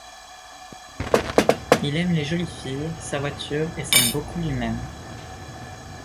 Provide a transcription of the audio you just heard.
Il aime les jolies filles, sa voiture, et s'aime beaucoup lui-même.